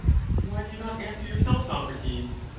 Why do you not answer yourself, Socrates